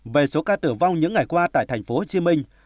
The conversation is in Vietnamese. về số ca tử vong những ngày qua tại thành phố hồ chí minh